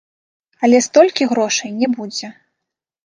Але столькі грошай не будзе.